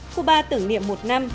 cuba tưởng niệm một năm